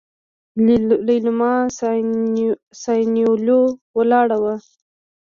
ليلما سانيولې ولاړه وه.